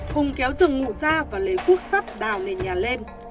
hùng kéo dường ngụ ra và lấy cuốc sắt đào nền nhà lên